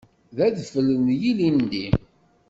D adfel n yilindi.